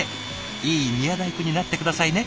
いい宮大工になって下さいね。